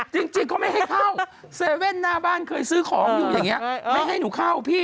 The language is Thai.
จริงเขาไม่ให้เข้า๗๑๑หน้าบ้านเคยซื้อของอยู่อย่างนี้ไม่ให้หนูเข้าพี่